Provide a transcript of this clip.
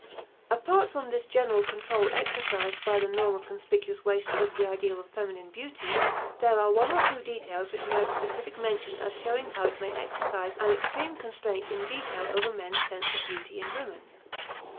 Apart from this general control exercised by the norm of conspicuous waste over the ideal of feminine beauty, there are one or two details which merit specific mention as showing how it may exercise an extreme constraint in detail over men's sense of beauty in women.